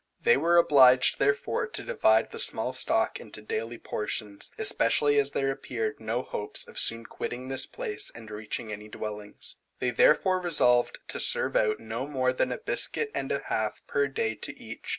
They were obliged therefore to divide the small stock into daily portions, especially as there appeared no hopes of soon quitting this place and reaching any dwellings. They therefore resolved to serve out no more than a biscuit and a half per day to each.